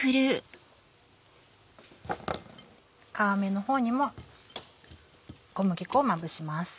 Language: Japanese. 皮目の方にも小麦粉をまぶします。